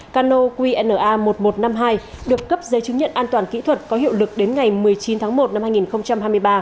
cano qna một nghìn một trăm năm mươi hai được cấp giấy chứng nhận an toàn kỹ thuật có hiệu lực đến ngày một mươi chín tháng một năm hai nghìn hai mươi ba